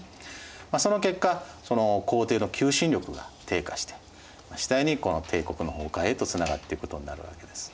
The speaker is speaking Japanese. その結果皇帝の求心力が低下して次第に帝国の崩壊へとつながっていくことになるわけです。